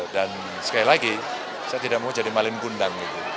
dan sekali lagi saya tidak mau jadi maling gundang